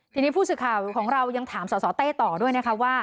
ทีนี้ผู้สื่อข่าวของเรายังถามสสเต้ต่อด้วยนะคะว่า